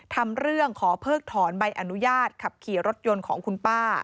ทำเรื่องขอเพิกถอนใบอนุญาตขับขี่รถยนต์ของคุณป้า